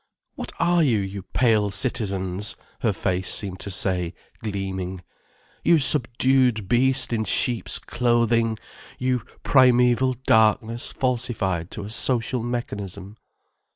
"What are you, you pale citizens?" her face seemed to say, gleaming. "You subdued beast in sheep's clothing, you primeval darkness falsified to a social mechanism."